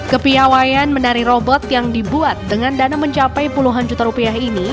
kepiawayan menari robot yang dibuat dengan dana mencapai puluhan juta rupiah ini